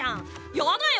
やだよ